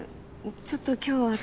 ちょっと今日は私。